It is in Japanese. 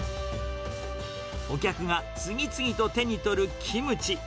お客が次々と手に取るキムチ。